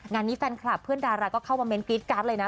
งานนี้แฟนคลับเพื่อนดาราก็เข้ามาเน้นกรี๊ดการ์ดเลยนะ